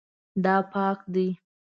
دا پاک دی